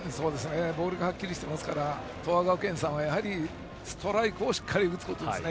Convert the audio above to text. ボールがはっきりしていますから東亜学園さんはやはりストライクをしっかり打つことですね。